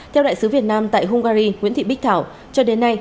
theo đại sứ việt nam tại hungary nguyễn thị bích thảo cho đến nay